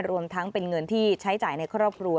รวมทั้งเป็นเงินที่ใช้จ่ายในครอบครัว